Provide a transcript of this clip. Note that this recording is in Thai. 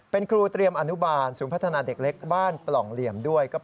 เป็นคู่เตรียมอนุบาลสูงพัฒนาเด็กเล็กบ้านปหลองเหลี่ยม